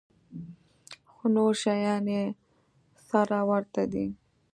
خو نور شيان يې سره ورته دي.